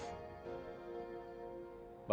terus gimana mas